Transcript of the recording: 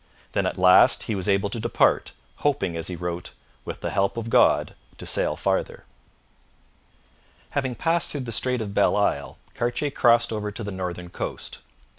Then at last he was able to depart, hoping, as he wrote, 'with the help of God to sail farther.' Having passed through the Strait of Belle Isle, Cartier crossed over to the northern coast.